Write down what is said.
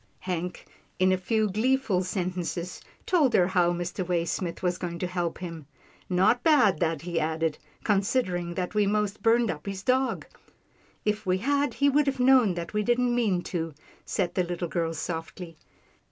Hank, in a few gleeful sentences, told her how Mr. Waysmith was going to help him. " Not bad, that," he added, " considering that we most burnt up his dog." 264 'TILDA JANE'S ORPHANS "If we had, he would have known that we didn't mean to," said the Httle girl softly.